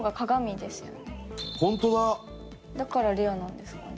だからレアなんですかね？